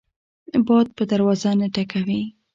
باد په دروازه نه ټکوي